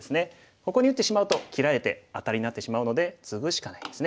ここに打ってしまうと切られてアタリになってしまうのでツグしかないですね。